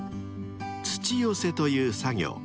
［「土寄せ」という作業］